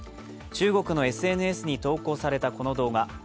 中国のＳＮＳに投稿されたこの動画。